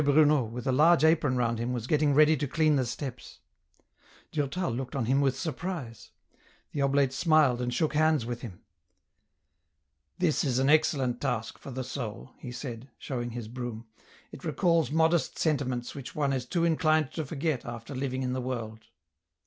Bruno, with a large apron round him, was getting ready to clean the steps. Durtal looked on him with surprise. The oblate smiled and shook hands with him. " This is an excellent task for the soul," he said, showing his broom ; "it recalls modest sentiments which one is too inclined to forget after living in the world."